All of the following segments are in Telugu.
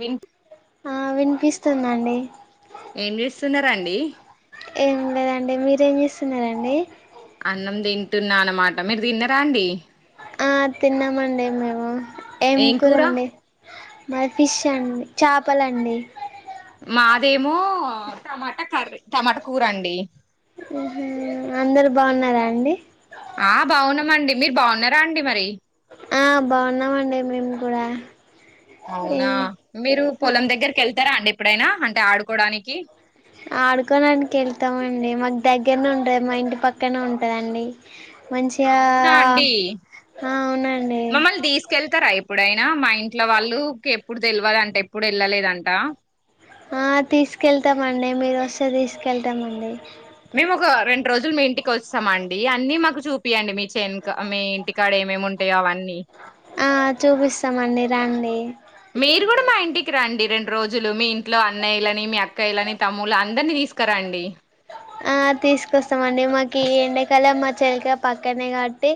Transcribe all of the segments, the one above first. విన్ ఆ వినిపిస్తుందండి ఏం చేస్తున్నారాండి ఏం లేదండి మీరేమి చేస్తున్నరండి అన్నం తింటున్నా అన్నమాట మీరు తిన్నరా అండి ఆ తిన్నామండి మేము ఏం కూరండి మరి ఫిష్ అండి చేపలండి మాదేమో టమాటా కర్రీ టమాటా కూరండి ఉ హుమ్ అందరు బాగున్నారా అండి ఆ బాగున్నామండి మీరు బాగున్నారా అండి మరి ఆ బాగున్నామండి మేము కూడా ఏ అవునా మీరు పొలం దగ్గరికి వెళ్తారా అండి ఎప్పుడైనా అంటే ఆడుకోడానికి ఆడుకోవడానికి వెళ్తామండి మాకు దగ్గరనే ఉంటది మా ఇంటి పక్కనే ఉంటదండి మంచిగా అవునా అండి అవునండి మమ్మల్ని తీసుకెళ్తారా ఎప్పుడైనా మా ఇంట్లో వాళ్ళు ఎప్పుడు తెలివదంట ఎప్పుడు వెళ్ళలేదంట అ తీసుకెళ్తామండి మీరు వస్తే తీసుకెళ్తామండి మేము ఒక రెండు రోజులు మీ ఇంటికి వస్తామండి అన్నీ మాకు చూపియండి మీ చెన్ మీ ఇంటికాడ ఏమేమి ఉంటాయో అవన్నీ ఆ చూపిస్తామండి రండి మీరు కూడా మా ఇంటికి రండి రెం రోజులు మీ ఇంట్లో అన్నయ్యలని మీ అక్కయలని తమ్ములు అందరిని తీసుకోండి ఆ తీసుకొస్తామండి మాకు ఈ ఎండాకాల మా చేలిక పక్కనే కాబట్టి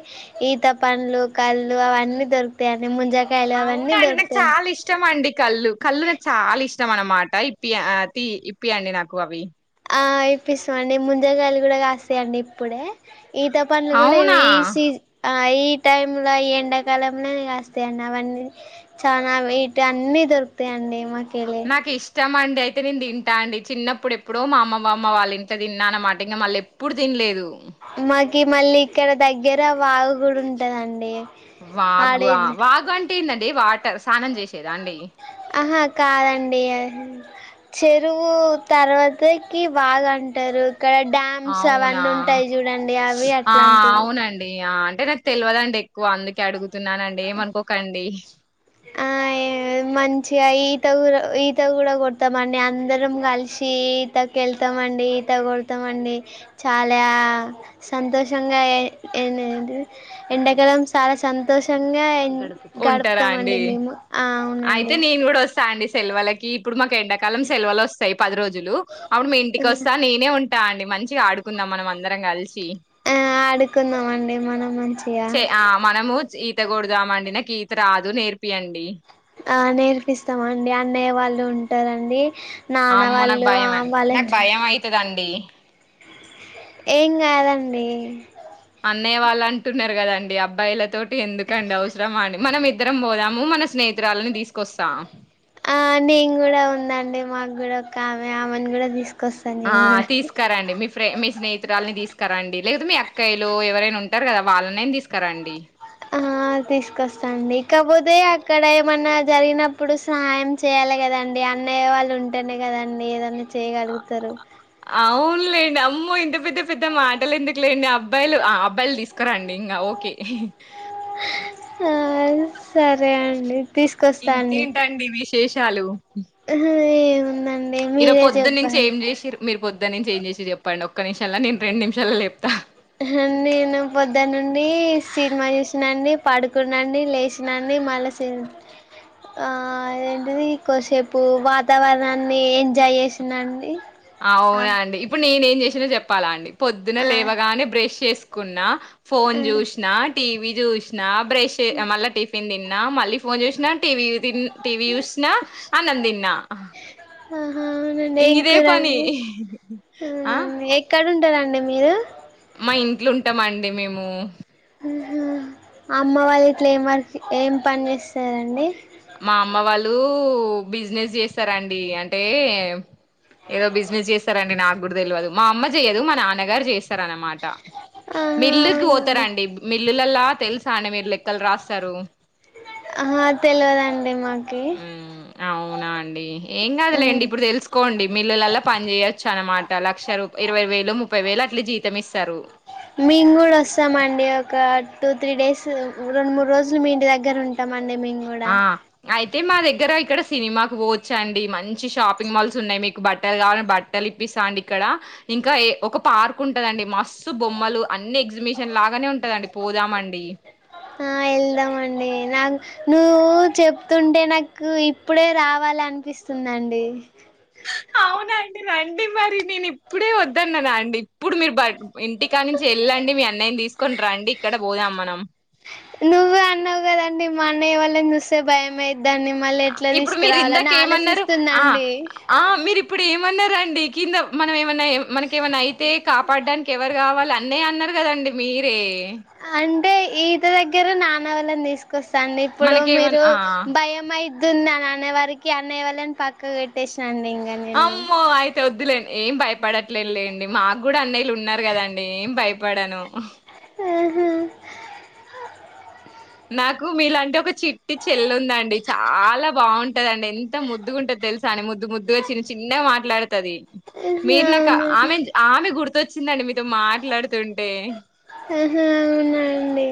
ఈత పండ్లు కళ్ళు అవన్నీ దొరుకుతాయండి ముంజకాయలు అవన్నీ అవునండి నాకు దొరుకుతాయి చాలా ఇష్టం అండి కళ్ళు కళ్ళు నాకు చాలా ఇష్టం అన్నమాట ఇప్పి ఇప్పి అండి నాకు అవి అ ఇప్పిస్తామండి ముంజగాయలు కూడా కాస్తయండి ఇప్పుడే ఈత పండ్లు కూడా అవునా ఇ సీజ్ ఈ టైంల ఈ ఎండాకాలంలోనే కాస్తాయండి అవన్నీ చాలా ఇటు అన్నీ దొరుకుతాయండి. మాకెళ్ళి నాకు ఇష్టం అండి అయితే నేను తింటా అండి చిన్నప్పుడు ఎప్పుడో మా అమ్మమ్మ వాళ్ళ ఇంట్ల తిన్న అన్నమాట ఇంకా మళ్ళీ ఎప్పుడు తినలేదు మ కి మళ్ళీ ఇక్కడ దగ్గర వాగు కూడా ఉంటదండి వాగు అ ఆడేది వాగు అంటే టి నది వాటర్ స్నానం చేసేదా అండి ఆహా కాదండి అది చెరువు తర్వాతకి వాగు అంటారు ఇక్కడ డ్యామ్స్ అవునా అవన్నీ ఉంటాయి చూడండి అవి ఆ అట్లాంటివి అవునండి ఆ, అంటే నాకు తెలివదండి ఎక్కువ అందుకే అడుగుతున్నానండి ఏమనుకోకండి ఆ మంచిగా ఈత కూడా ఈత కూడా కొడతామండి అందరం కలిసి ఈతకి వెళ్తామండి ఈత కొడతామండి చాలా సంతోషంగా ఏ ఏంటిది ఎండ కాలం చాలా సంతోషంగా గడుపుతాం అండి మేము అవునండి స్థాండీ సెలవాళ్ళకి ఇప్పుడు మా ఎండాకాలం సెలవులు వస్తాయి పది రోజులు అప్పుడు మ మీ ఇంటికి వస్తా నేనే ఉంట అండి మంచిగా ఆడుకుందాం మనం అందరం కలిసి ఆ ఆడుకుందాం అండి మనం మంచిగా చే ఆ మనము [unintelligible] ఈత రాదు నేర్పియండి ఆ నేర్పిస్తాండి అన్నయ్య వాళ్ళు ఉంటారండి నాన్న అమ్మో నాకు వాళ్ళు భయం నాకు వాళ్ళని భయం అయితది అండి ఏం కాదు అండి అన్నయ వాళ్ళు అంటున్నారు కదండి అబ్బాయిలతోటి ఎందుకండి అవసరం అని మనం ఇద్దరం పోదాము మన స్నేహితురాలని తీసుకొస్తా ఆ నేను కూడా ఉందండి మాకు కూడా ఒక ఆమె ఆమెను కూడా తీసుకు ఆ తీసుకారండి మీ ఫ్రె మీ స్నేహితురాలని తీసుకురండి లేదయితే మీ అక్కాయిలు ఎవరైనా ఉంట ఉంటారు కదా వాళ్ళనైనా తీసుకురాండి ఆ తీసుకొస్తాండి కాకపోతే అక్కడ ఏమన్నా జరిగినప్పుడు సహాయం చేయాలి కదండి అన్నయ్య వాళ్ళు ఉంటేనే కదండి ఏదన్న చేయగలుగుతారు లేండి అమ్మ ఇంత పెద్ద పెద్ద మాటలు ఎందుకు లేండి అబ్బాయిలు ఆ అబ్బాయిలు తీసుకురండి ఇంకా ఓకే సార్ సరే అండి తీసుకొస్తా అండి. చాలు. ఆహ్ ఏ. ఏందండి ఈరోజు మీరే పొద్దున్నుంచి చెప్పాండి. ఏం జేసిర్రు? మీరు పొద్దున్నుంచి ఏం చేసిండ్రు చెప్పండి ఒక్క నిమిషాల నేను రెండు నిమిషాలో చేపుతా. నేను పొద్దున్న నుండి సినిమా చుసినాండి. పడుకున్నాండి లేచినాండి మళ్ళా ఆహ్ ఏంటిది కొంసేపు వాతావరణాన్ని ఎంజాయ్ చేసినండి. ఆ అవునా అండి ఇప్పుడు నేనే. చేసినో చెప్పాలా అండి. పొద్దున ఆ లేవగానే బ్రష్ చేసుకున్నా ఫోన్ ఆ చూసిన. టీవీ చూసినా బ్రష్ చే మళ్ళా టిఫిన్ తిన్నా మళ్ళీ ఫోన్ చూసిన టీవీ చు తిన్. టీవీ చూసిన్న అన్నం తిన్న. ఆహ్. అవునండి. ఏం కూరండి అవున ఆ! ఎక్కడ. ఎడుంటారండి మీరు. మా ఇంట్లో ఉంటామండి మేము. ఉమ్ అమ్మ వాళ్ళు ఇట్ల ఏం వర్క్ ఏం పని చేస్తారండి. మా అమ్మ వాళ్ళు. బిజినెస్ చేస్తారండి అంటే. ఏదో బిజినెస్ చేస్తారండి నాకు. గుడువె తెలువదు మా అమ్మ చెయ్యదు మా నాన్నగారు చేస్తారనమాట. ఆహా మిల్లుకి అవునండి పోతారండి మిల్లులలా తెలుసా అండి మీరు లెక్కలు రాస్తారు. ఏమో అండి. ఉమ్ అవునా అండి ఏం కాదులేండి. ఉమ్ ఇప్పుడు తెలుసుకోండి మిల్లులల పని చేయచ్చు అనమాట లక్ష రూప్. ఇరవై వేలో ముప్పై వేలొ అట్లా జీతం ఇస్తారు. మేము కూడా వస్తామండి ఒక టూ త్రీ డేస్ రెండు మూడు రోజులు మీ ఇంటి దగ్గర ఉంట్. ఉంట్టామండి మేము కూడా. ఆ అయితే మా దగ్గర ఇక్కడ సినిమాకి పోవచ్చ అండి. మంచి షాపింగ్ మాల్స్ ఉన్నాయి. మీకు బట్టలు కావాలంటే బట్టలు ఇప్పిస్తాండి. ఇక్కడ ఇంకా ఒక పార్క్ ఉంటదండి. మస్తు బొమ్మలు అన్ని ఎగ్జిబిషన్ లాగానే ఉంటదండి పోదాము అండి. ఆహ్ వెళ్దామండి నాకు నువ్వు చెప్తుంటే నాకు ఇప్పుడే రావాలి అనిపిస్తుందండి. అవునండి రండి మరి నేను ఇప్పుడే వద్దన్నానండి ఇప్పుడు మీరు బ ఇంటికాడి నుంచి వెళ్ళండి మీ అన్నయ్యని తీసుకొని రండి ఇక్కడ పోదాం మనం. నువ్వే అన్నావు కదండి మా అన్నయ్య వాళ్లను చూస్తే భయం అయిత్. దాన్ని మళ్ళా ఎట్లా ఇప్పుడు మీరు ఇందాక తీసుకురావాలని ఏమన్నారు ఆలోచిస్తున్నా ఆ అండి. ఆ మీరు ఇప్పుడు ఏమన్నారండి కింద మనం ఏమన్నా ఎం మనకు ఏమైన్నా అయితే కాపాడడానికి ఎవరు కావాలి అన్నే అన్నారు కదండి. మీరే అంటే ఈత దగ్గరనా. మా అన్నను తీసుకు సరే అండి ఇప్పుడు మీరు మనకేమన్నా భయం అయి దున్న అని అనేవరికి అన్నయ్య వాళ్ళను పక్కన పెట్టేసిన. చంది ఇంగా నేను ద్దులేండి ఏం భయపడట్లేదు లేండి మాకు గూడా అన్నయ్యలు ఉన్నారు కదండి ఏం భయపడను మ్ హా నాకు మీలాంటి ఒక చిట్టి చెెల్లి ఉందండి చాలా బాగుంటదండి ఎంత ముద్దుగా ఉంటది తెలుసానే ముద్దు ముద్దుగా చిన్న చిన్నగా మాట్లాడు ది అవును మీరు నాక ఆమె ఆమె గుర్తు చ్చిందిదండి మీకు ఆ హా అవునా అండి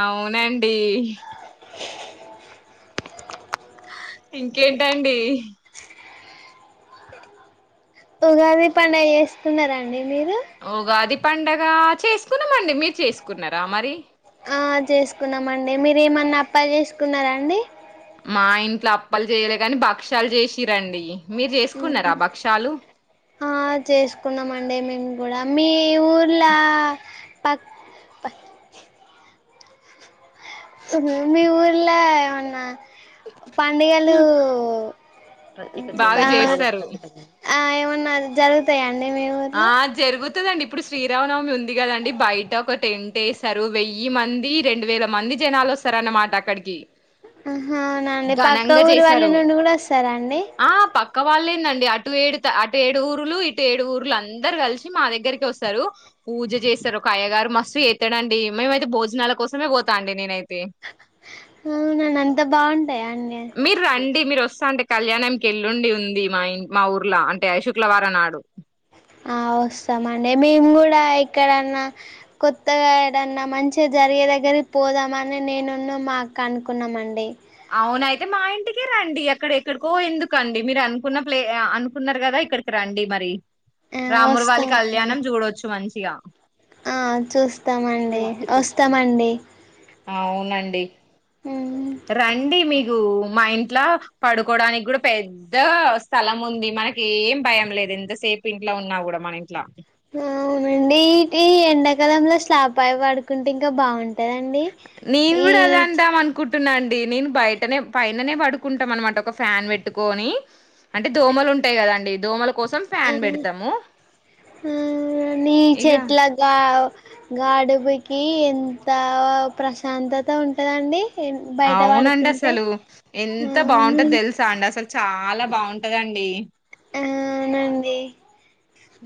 అవునండి డి.. ఇంకేంటండి ఉగాది పండుగ చూసుకున్నార అండి మీరు ఉగాది పండగ చేసుకున్నామండి మీరు చేసుకున్నారా మరి ఆ చేసుకున్నామండి మీరు ఏమన్నా అప్పాలు చేసుకున్నారా అండి మా ఇంట్లో అప్పాలు లు చేయలేగాని భక్ష్యాలు చేశిర్రండి ఆ చేసుకున్నాం అండి మేము ఓడమ్మి ఈ ఊర్లా పక్ ప మీ ఊర్ల ఏమన్నా పండుగలు బాగా ఆ.. చేస్తారు ఆ ఏమన్నా జరుగుతాయండి మీ ఊర్లో ఆ జరుగుతదండి ఇప్పుడు శ్రీరామనవమి ఉంది కదండి బయట ఒక టెంట్ వేసారు వెయ్యి మంది రెండు వేల మంది జనాలు వస్తారు అన్నమాట అక్కడికి ఆ హ అవునా అండి పక్క ఘనంగా ఊరి వాళ్ళ చేశారు నుండి కూడా వస్తారా అండి ఆ పక్క వాళ్లేనండి అటు ఏడు అటు ఏడు ఊరులు ఇటు ఏడు ఊరులు అందరు కలిసి మా దగ్గరికి వస్తారు పూజ చేస్తారు ఒక అయ్యగారు మస్తు చేస్తాడండీ మేమైతే భోజనాల కోసమే పోతా అండి నేనైతే అవునా అండి అంత బాగుంట మీరు రండి మీరు వస్తా అంటే కళ్యాణంకి ఏల్లుండి ఉంది మా ఇం మా ఊర్లో అంటే అ శుక్లవారం నాడు ఆ వస్తామండి మేము కూడా ఏక్కడన్నా కొత్తగా ఎడన్నా మంచిగా జరిగే దగ్గరికి పోదామని నేనున్న మా అక్క అనుకున్నాం అండి అవున అయితే మా ఇంటికే రండి అక్కడ ఎక్కడికో ఎందుకండి మీరు అనుకున్న ప్లే అనుకున్నారు కదా ఇక్కడికి రండి మరి ఆ రాములవారి వస్తామండి కళ్యాణం చూడచ్చు మంచి గా ఆ చూస్తామండి వస్తామండి అవునండి మ్మ్ రండి మీకు మా ఇంట్లో పడుకోడానికి కూడా పెద్ద స్థలం ఉంది మనకెం ఏం భయం లేదు ఎంతసేపు ఇంట్లో ఉన్నా కూడా మన ఇంట్లా అవునండి ఇటి ఎండాకాలంలో స్లాప్ పై పడుకుంటే ఇంకా బాగుంటాంది నేను కూడా అదే అందాం అనుకుంట అవునండి నేను బయట పక్కనే పైననే పడుకుంటాం. అన్నమాట ఒక ఫ్యాన్ పెట్టుకొని అంటే దోమలు ఉంటాయి కదండి దోమలు ఆ ఆ నీ ఇక చెట్ల గా గాడుపుకి ఎంత ప్రశాంతత ఉంటుందండి. అవునండి అసలు ఎంత అవును బాగుంటందో తెలుసా అండి అసలు చాలా బాగుంటది అండి ఆ అవునండి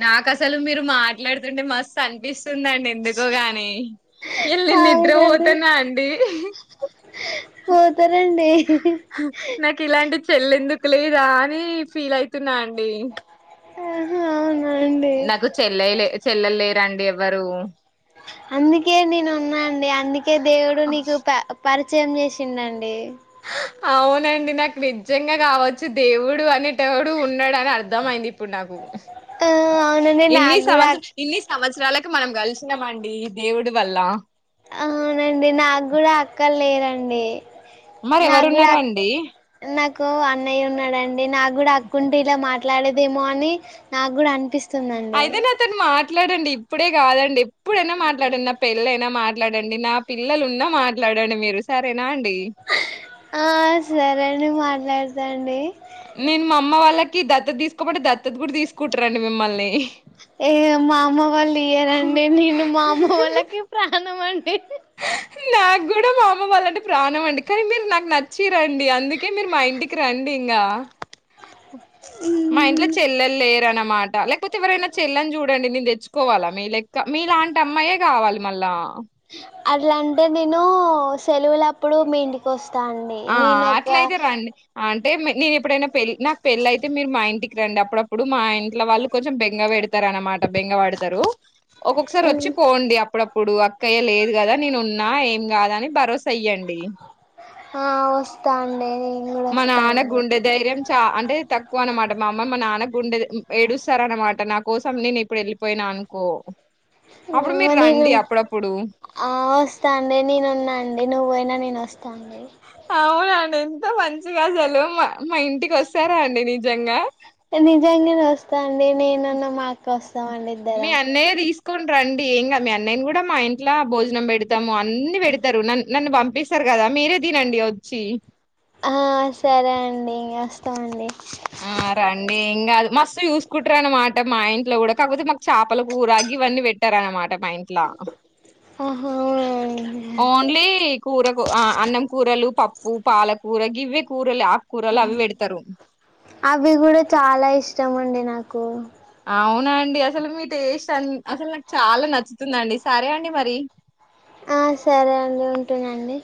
నాకు అసలు మీరు మాట్లాడుతుంటే మస్తు అనిపిస్తుంది వస్తుందండి ఎందుకోగాని ఇవాళ నేను నిద్రపోతనా అండి పోతనండి నాకు ఇలాంటి చెల్లెందుకు లేదా అని ఫీల్ అయితున్నా అండి ఆహా అవును డి నాకు చెల్లెలే చెల్లెలు లేరండి ఎవ్వరు అందుకే నేను ఉన్నాండి అందుకే దేవుడు నీకు పరిచ చ్చ ఏం చేసిండండి అవునండి నాకు నిజంగా కావచ్చు దేవుడు అనేటడు ఉన్నాడుని అర్థమయింది ఇప్పుడు నాకు ఆ అవునండి ఇన్ని నాకు కూడా అక్ సంవత్సర సంవత్సరాలకి మనం కలిసినాండి దేవుడు వల్ల అవునండి నాకు కూడా అక్కలా లేదండి మరి ఎవరున్నారా అండి కు అన్నయ్య ఉన్నాడండి నా కూడా అక్కుంట ఇలా మా మాట్లాడేదేమో అని నాకు కూడా అని పనిపిస్తుందండి అయితే నాతోని మాట్లాడండి ఇప్పుడే కాదండి ఇప్పుడేన్న మాట్లాడిన్న ప పెళ్ళ మాట్లాడండి నా పిల్లలు ఉన్నా మాట్లాడండి మీరు సరే ఆ సరేండి నే మాట్లాడతాను నేను మా అమ్మ వాళ్ళకి దత్తత తీసుకోమంటే దత్తత కూడా తీసుకుంటారండి మిమ్మల్ని ఏ మా అమ్మ వాళ్ళు ఇయ్యారంండి నేను మా అమ్మ వాళ్ళకి ప్రాణం అంట నాకు కూడా మా అమ్మ వాళ్ళంటే ప్రాణం అండి కానీ మీరు నాకు నచ్చి రండి అందుకే మీరు మా ఇంటికి రండి ఇంకా మా ఇంట్లో చెల్లెలు లేరన్నమాట లేకపోతే ఎవరైనా చెల్లని చూడ చూడండి నేను తెచ్చుకోవాలా మీ లెక్క మీ లాంటి అమ్మాయే కావాలి మళ్ళా అట్లాంటే నేను సెలవులప్పుడు మీ ఇంటికి వస్తా అండి ఆ నేను ఒక అట్లయితే రండి అంటే నేను ఎప్పుడైనా పెళ్ళి నా పెళ్ళేయితే మీరు మా ఇంటికి రండి అప్పుడప్పుడు మా ఇంట్ల వాళ్ళు కొంచెం బెంగ పెడతార అనమాట డబ్బెంగా వాడతారు ఒక్కొక్కసారి వచ్చి పోండి అప్పుడ ఇప్పుడు అక్కయ్య లేదు కదా నేను ఉన్నా ఏం కాదా అని భరోసా ఇయ్యండి ఆ వస్తా అండి కూడా మన వస్తా నాన్న అండి గుండె ధైర్యం చ అంటే తక్కువ అనమాట మా అమ్మ మన నాన్న గు గుండె ఏడుస్తారన్న మాట నా కోసం నేను ఇప్పుడు వెళ్ళిపోయినా అనుకో అప్పుడు మీరు నేను రండి అప్పుడప్పుడు. ఆ వస్తాండి నేనున్నాండి నువ్వ పోయిన నేను వస్తాం లే అవునండి ఎంత మంచిగాజలు ఎల్లమ్మ మా ఇంటికి వస్తారా అండి నిజంగా నిన్న మా కస్ వాళ్ళకి మీ భయం అన్నయ్య తీసుకొని రండి ఏం మీ అన్నయని కూడా మా ఇంట్లో భోజనం పెడతాము అన్ని పెడతారు నన్న నన్ను పంపిస్తారు కదా మీరే తినండి వచ్చి ఆ సరే అండి వస్తామండి ఆ రండి ఏం కాదు ఇంకా మస్తు చూసుకుంటారు అన్నమాట మా ఇంట్లో కూడా కాకపోతే మాకు చేపల కూరగి ఇవన్నీ పెట్టారనమాట మా ఇంట్లా ఆహా అవునా అండి ఓన్లీ కూర ఆ అన్నం కూరలు పప్పు పాలకూర గివ్వె కూరలు ఆ కూరలు అవి పెడతారు అవి కూడా చాలా ఇష్టం అండి నాకు అవునండి అసలు మీ టేస్ట్ అని అసలు నాకు చాలా నచ్చుతుందండి సరే అండి మరి ఆ సరే అండి ఉంటునండి